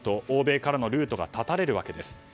欧米からのルートが断たれるわけです。